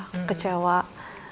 ya kecewa lah